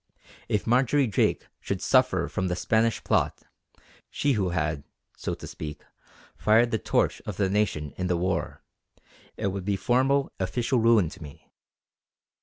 If Marjory Drake should suffer from this Spanish plot, she who had, so to speak, fired the torch of the nation in the war, it would be formal, official ruin to me.